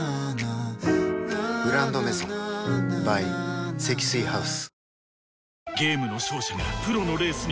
「グランドメゾン」ｂｙ 積水ハウス